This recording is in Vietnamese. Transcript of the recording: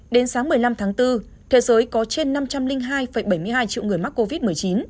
đến sáng một mươi năm tháng bốn thế giới có trên năm trăm linh hai bảy mươi hai triệu người mắc covid một mươi chín